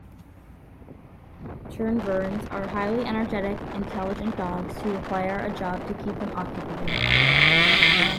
Tervurens are highly energetic, intelligent dogs who require a job to keep them occupied.